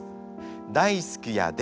大好きやで。